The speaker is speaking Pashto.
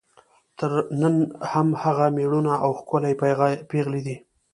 نن هم هغه میړونه او ښکلي پېغلې دي.